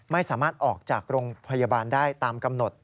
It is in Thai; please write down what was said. ไม่สามารถออกจากโรงพยาบาลได้ตามกำหนด